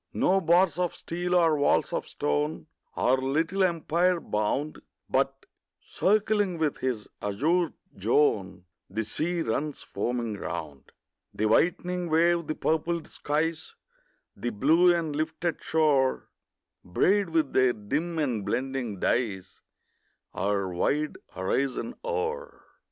No bars of steel or walls of stone Our little empire bound, But, circling with his azure zone, The sea runs foaming round; The whitening wave, the purpled skies, The blue and lifted shore, Braid with their dim and blending dyes Our wide horizon o'er.